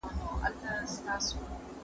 زه هره ورځ ليکلي پاڼي ترتيب کوم